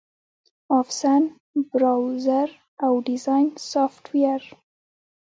آفس، براوزر، او ډیزاین سافټویر